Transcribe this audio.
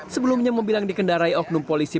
sebelumnya mobil yang dikendarai oknum polisi